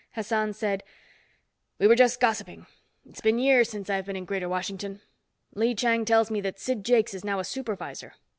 Hassan said, "We were just gossiping. It's been years since I've been in Greater Washington. Lee Chang tells me that Sid Jakes is now a Supervisor.